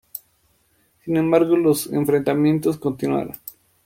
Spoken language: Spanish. Sin embargo los enfrentamientos continuaron.